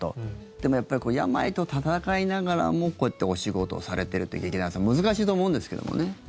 でも、やっぱり病と闘いながらもこうやってお仕事されてるって劇団さん難しいと思うんですけどもね。